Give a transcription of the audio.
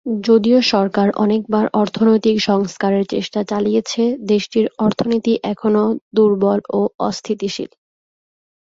যদিও সরকার অনেকবার অর্থনৈতিক সংস্কারের চেষ্টা চালিয়েছে, দেশটির অর্থনীতি এখনও দুর্বল ও অস্থিতিশীল।